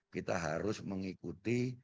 kita harus mengikuti